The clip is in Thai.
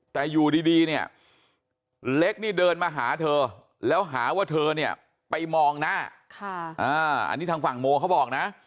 แต่อยู่ดีเนี่ยเล็กนี่เดินมาหาเธอแล้วหาว่าเธอเนี่ยไปมองหน้าอันนี้ทางฝั่งโมเขาบอกนะ